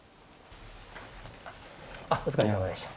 あっお疲れさまでした。